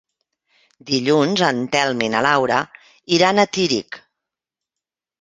Dilluns en Telm i na Laura iran a Tírig.